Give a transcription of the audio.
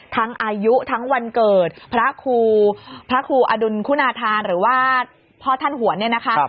อายุทั้งวันเกิดพระครูพระครูอดุลคุณาธานหรือว่าพ่อท่านหวนเนี่ยนะคะ